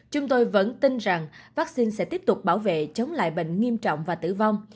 chúng tôi vẫn tin rằng vaccine sẽ tiếp tục bảo vệ chống lại bệnh nghiêm trọng và tử vong